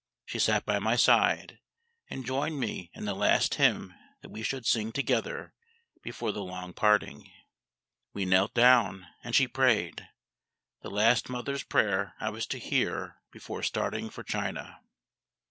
She sat by my side, and joined me in the last hymn that we should sing together before the long parting. We knelt down, and she prayed the last mother's prayer I was to hear before starting for China.